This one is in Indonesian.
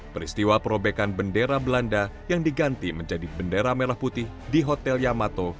peristiwa perobekan bendera belanda yang diganti menjadi bendera merah putih di hotel yamato